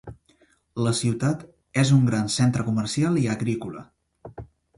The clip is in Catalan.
La ciutat és un gran centre comercial i agrícola.